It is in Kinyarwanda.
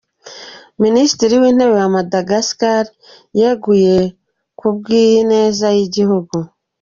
Minisitiri w’ Intebe wa Madagascar yeguye ku bw’ ineza y’ igihugu.